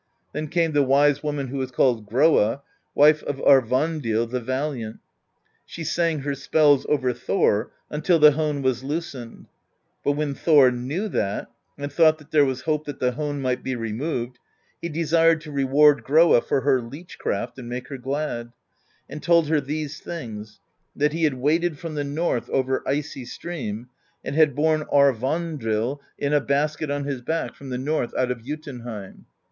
Then came the wise woman who was called Groa, wife of Aurvandill the Valiant: she sang her spells over Thor until the hone was loosened. But when Thor knew that, and thought that there was hope that the hone might be removed, he desired to reward Groa for her leech craft and make her glad, and told her these things : that he had waded from the north over Icy Stream and had borne Aurvandill in a basket on his back from the THE POESY OF SKALDS 119 north out of Jotunheim.